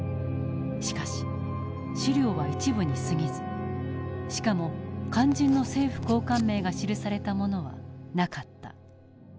しかし資料は一部にすぎずしかも肝心の政府高官名が記されたものはなかった。